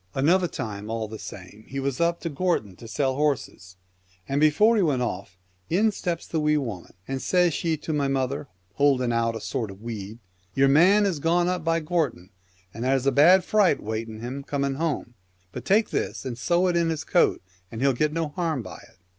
Another time, all the same, he Celtic Twilight, was up Gortin to sell horses, and before he went off, in steps the Wee Woman and says she to my mother, holding out a sort of a weed, "Your man is gone up by Gortin, and there's a bad fright waiting him coming home, but take this and sew it in his coat, and he'll get no harm by it."